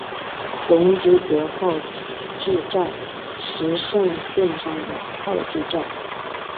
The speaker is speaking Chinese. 泷之泽号志站石胜线上的号志站。